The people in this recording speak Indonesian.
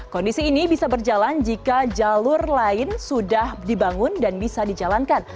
kondisi ini bisa berjalan jika jalur lain sudah dibangun dan bisa dijalankan